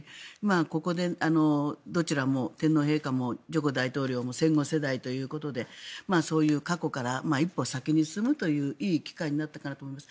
ここでどちらも天皇陛下もジョコ大統領も戦後世代ということでそういう、過去から一歩先に進むといういい機会になったかなと思います。